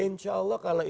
insya allah kalau itu